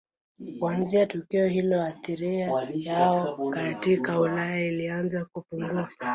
Kuanzia tukio hilo athira yao katika Ulaya ilianza kupungua.